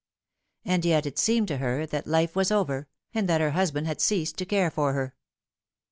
And yet it seemed to her that life was over, and that her husband had ceased to care for her.